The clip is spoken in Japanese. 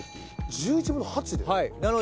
「１１分の８で？」